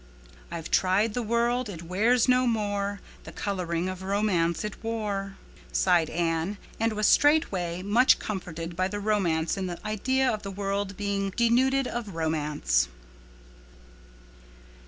"'I've tried the world—it wears no more The coloring of romance it wore,'" sighed Anne—and was straightway much comforted by the romance in the idea of the world being denuded of romance!